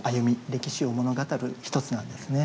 歴史を物語る一つなんですね。